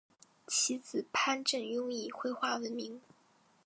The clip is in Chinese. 其子潘振镛以绘画闻名。